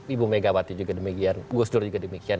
ibu megawati juga demikian gus dur juga demikian